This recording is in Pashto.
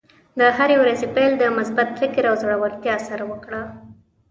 د هرې ورځې پیل د مثبت فکر او زړۀ ورتیا سره وکړه.